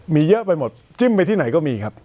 มีเยอะไปหมดจิ้มไปที่ไหนก็มีครับ